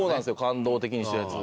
感動的にしてるやつ。